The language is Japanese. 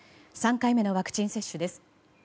３回目のワクチン接種です。